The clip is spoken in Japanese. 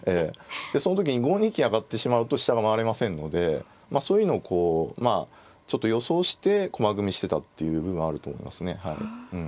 でその時に５二金上がってしまうと飛車が回れませんのでそういうのをこうまあちょっと予想して駒組みしてたっていう部分あると思いますね。